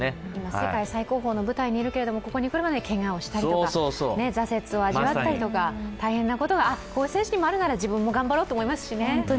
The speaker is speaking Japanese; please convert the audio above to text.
世界最高峰の舞台にいるけれどもここに来るまでにけがをしたり、挫折を味わったりと大変なことが、こういう選手にもあるなら自分も頑張ろうと思いますしね。